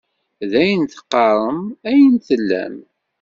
D ayen teqqarem ay tellam.